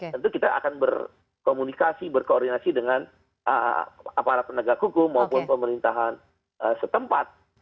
tentu kita akan berkomunikasi berkoordinasi dengan aparat penegak hukum maupun pemerintahan setempat